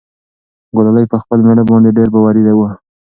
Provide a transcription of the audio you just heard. ګلالۍ په خپل مېړه باندې ډېر باوري وه.